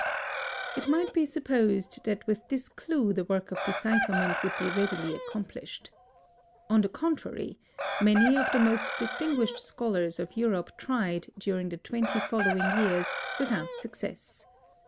It might be supposed that with this clew the work of decipherment would be readily accomplished. On the contrary, many of the most distinguished scholars of Europe tried, during the twenty following years, without success.